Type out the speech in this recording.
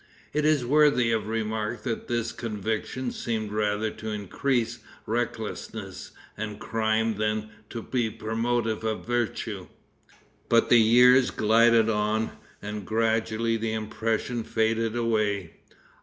It is worthy of remark that this conviction seemed rather to increase recklessness and crime than to be promotive of virtue. Bat the years glided on, and gradually the impression faded away.